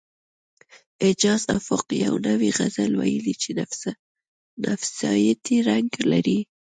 اعجاز افق یو نوی غزل ویلی چې نفسیاتي رنګ لري